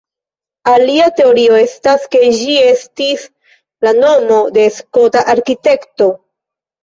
Alia teorio estas ke ĝi estis la nomo de Skota arkitekto.